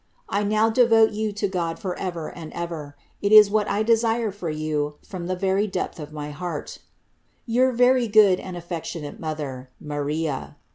*■! now devote you to God for ever and ever ; it is what I desire for you from the very depth of my heart " Your very good and afiectionate mother, Mabia.